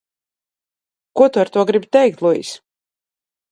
Ko tu ar to gribi teikt, Luis?